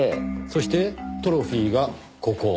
そしてトロフィーがここ。